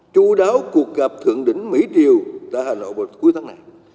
chú đáo cuộc gặp thượng đỉnh mỹ triều tại hà nội vào cuối tháng này